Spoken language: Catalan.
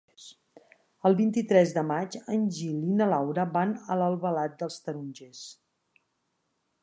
El vint-i-tres de maig en Gil i na Laura van a Albalat dels Tarongers.